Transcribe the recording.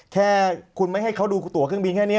แค่คุณไม่ให้เขาดูตัวเครื่องบินแค่นี้